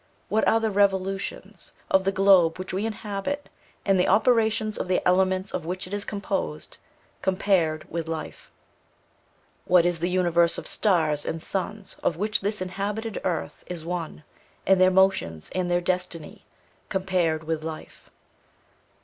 What are the revolutions of the globe which we inhabit, and the operations of the elements of which it is composed, compared with life? What is the universe of stars, and suns, of which this inhabited earth is one, and their motions, and their destiny, compared with life?